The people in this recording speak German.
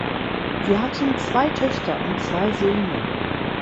Sie hatten zwei Töchter und zwei Söhne.